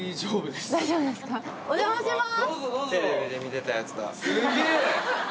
お邪魔します！